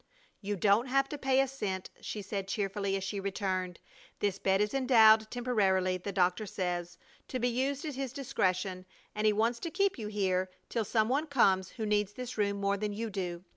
"You don't have to pay a cent," she said, cheerfully, as she returned. "This bed is endowed temporarily, the doctor says, to be used at his discretion, and he wants to keep you here till some one comes who needs this room more than you do.